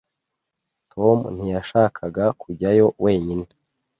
Tom ntiyashakaga kujyayo wenyine.